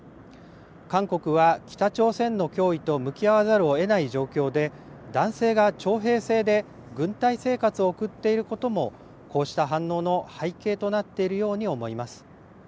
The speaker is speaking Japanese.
韓国は北朝鮮の脅威と向き合わざるをえない状況で、男性が徴兵制で軍隊生活を送っていることも、こうした反応の背景となっているように思います。